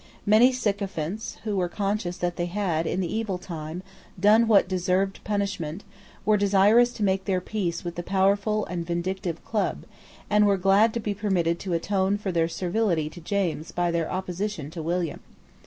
Many sycophants, who were conscious that they had, in the evil time, done what deserved punishment, were desirous to make their peace with the powerful and vindictive Club, and were glad to be permitted to atone for their servility to James by their opposition to William.